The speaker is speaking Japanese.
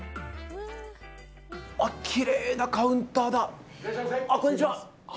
きれいなカウンターだ。